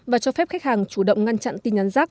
và cho phép khách hàng chủ động ngăn chặn tin nhắn rác